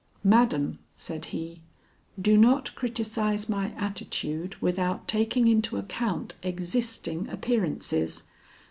"Madam," said he, "do not criticise my attitude without taking into account existing appearances.